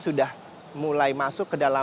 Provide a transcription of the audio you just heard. sudah mulai masuk ke dalam